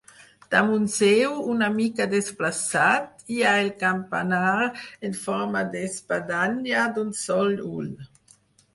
Damunt seu, una mica desplaçat, hi ha el campanar en forma d'espadanya d'un sol ull.